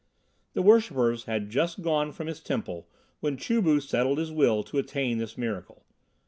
The worshippers had just gone from his temple when Chu bu settled his will to attain this miracle.